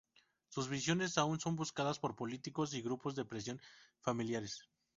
Sus visiones aún son buscadas por políticos y grupos de presión familiares.